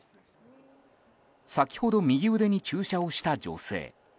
先ほど右腕に注射をした女性。